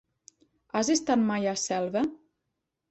Has estat mai a Selva?